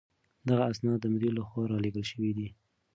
دغه اسناد د مدير له خوا رالېږل شوي دي.